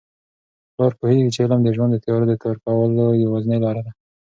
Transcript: پلار پوهیږي چي علم د ژوند د تیارو د ورکولو یوازینۍ لاره ده.